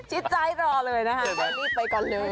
ชิดใจรอเลยนะค่ะรีบไปก่อนเลย